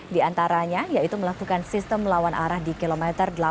diantaranya yaitu melakukan sistem lawan arah di km delapan puluh empat